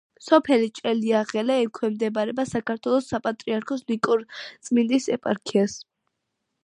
სოფელი ჭელიაღელე ექვემდებარება საქართველოს საპატრიარქოს ნიკორწმინდის ეპარქიას.